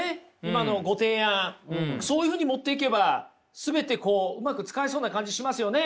今のご提案そういうふうに持っていけば全てこううまく使えそうな感じしますよね？